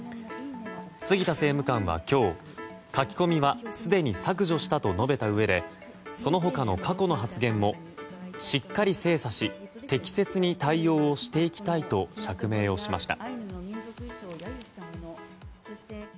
杉田政務官は、今日書き込みはすでに削除したと述べたうえでその他の過去の発言もしっかり精査し適切に対応していきたいと釈明をしました。